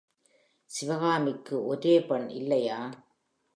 சிவகாமிக்கு ஒரே பெண் இல்லையா?